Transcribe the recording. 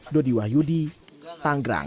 dodi wahyudi tanggerang